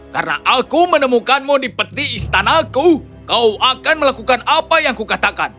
karena aku menemukanmu di peti istanaku kau akan melakukan apa yang kukatakan